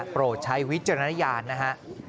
โปรดใช้วิจารณญาณนะฮะ